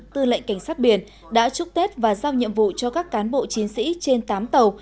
tư lệnh cảnh sát biển đã chúc tết và giao nhiệm vụ cho các cán bộ chiến sĩ trên tám tàu